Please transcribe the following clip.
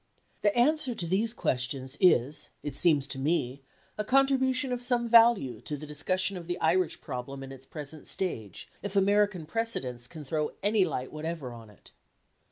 The answer to these questions is, it seems to me, a contribution of some value to the discussion of the Irish problem in its present stage, if American precedents can throw any light whatever on it.